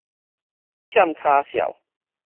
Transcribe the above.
欠跤數